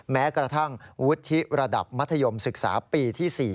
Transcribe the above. แม้กระทั่งวุฒิระดับมัธยมศึกษาปีที่๔